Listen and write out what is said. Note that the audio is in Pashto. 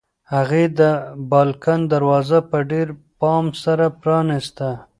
هغې د بالکن دروازه په ډېر پام سره پرانیسته.